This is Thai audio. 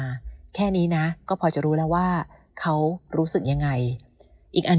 มาแค่นี้นะก็พอจะรู้แล้วว่าเขารู้สึกยังไงอีกอัน